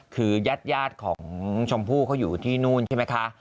คือญาติของชมพู่เขาอยู่ที่นู่นใช่ไหมคะ